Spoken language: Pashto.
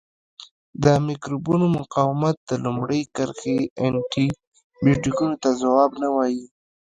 د مکروبونو مقاومت د لومړۍ کرښې انټي بیوټیکو ته ځواب نه وایي.